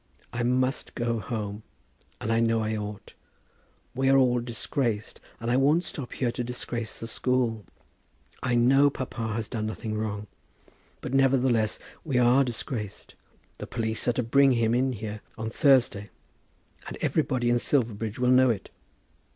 I must go home, and I know I ought. We are all disgraced, and I won't stop here to disgrace the school. I know papa has done nothing wrong; but nevertheless we are disgraced. The police are to bring him in here on Thursday, and everybody in Silverbridge will know it.